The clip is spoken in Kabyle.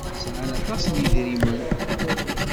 Sɛan aṭas n yedrimen.